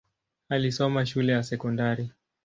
Alisoma shule ya sekondari.